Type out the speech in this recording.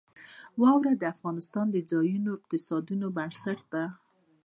واوره د افغانستان د ځایي اقتصادونو بنسټ دی.